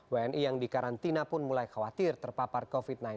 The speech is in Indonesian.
wni yang dikarantina pun mulai khawatir terpapar covid sembilan belas